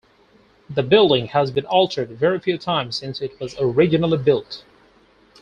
The building has been altered very few times since it was originally built.